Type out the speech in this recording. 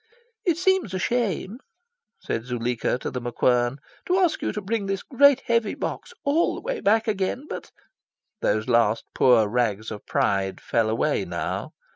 "It seems a shame," said Zuleika to The MacQuern, "to ask you to bring this great heavy box all the way back again. But " Those last poor rags of pride fell away now.